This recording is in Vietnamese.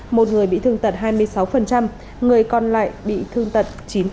một người bị thương tật hai mươi sáu người còn lại bị thương tật chín